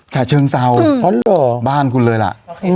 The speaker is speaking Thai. ชาเชิงเศร้าบ้านคุณเลยล่ะ